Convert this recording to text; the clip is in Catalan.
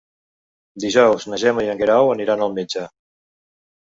Dijous na Gemma i en Guerau aniran al metge.